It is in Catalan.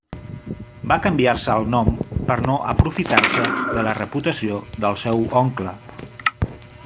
Va canviar-se el nom per no aprofitar-se de la reputació del seu oncle.